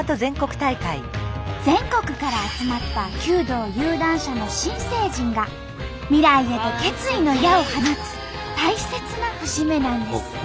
全国から集まった弓道有段者の新成人が未来へと決意の矢を放つ大切な節目なんです。